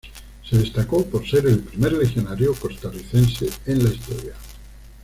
Se destacó por ser el primer legionario costarricense en la historia.